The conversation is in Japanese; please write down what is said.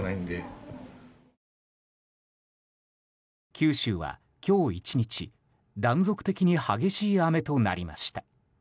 九州は今日１日断続的に激しい雨となりました。